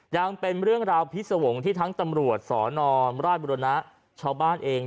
ยังเป็นเรื่องราวพิษวงศ์ที่ทั้งตำรวจสนราชบุรณะชาวบ้านเอง